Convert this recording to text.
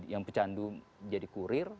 yang pecandu jadi kurir